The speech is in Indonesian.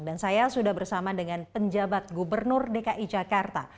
dan saya sudah bersama dengan penjabat gubernur dki jakarta